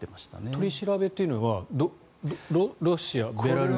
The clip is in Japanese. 取り調べというのはロシア、ベラルーシ。